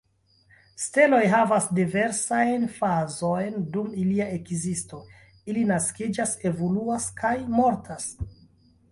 Steloj havas diversajn fazojn dum ilia ekzisto: ili naskiĝas, evoluas, kaj mortas.